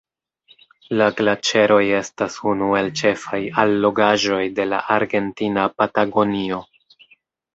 La glaĉeroj estas unu el ĉefaj allogaĵoj de la Argentina Patagonio.